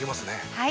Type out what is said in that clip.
はい。